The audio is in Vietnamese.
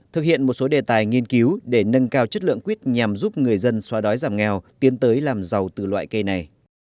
thực hiện một số đề tài nghiên cứu để nâng cao chất lượng quýt nhằm giúp người dân xóa đói giảm nghèo tiến tới làm giàu từ loại cây này